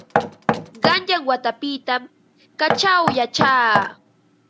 Qanyan watapitam kaćhaw yachaa.